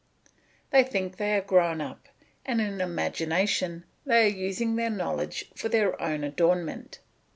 They think they are grown up, and in imagination they are using their knowledge for their own adornment.